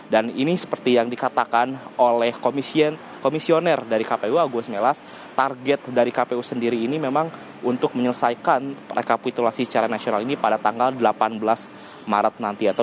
dan ini seperti yang dikatakan oleh komisioner dari kpu agus melas target dari kpu sendiri ini memang untuk menyelesaikan rekapitulasi secara nasional ini pada tanggal delapan belas maret nanti